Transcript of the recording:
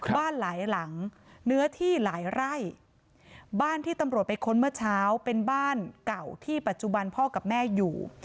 บ้านหลายหลังเนื้อที่หลายไร่บ้านที่ตำรวจไปค้นเมื่อเช้าเป็นบ้านเก่าที่ปัจจุบันพ่อกับแม่อยู่